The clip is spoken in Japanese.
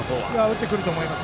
打ってくると思います。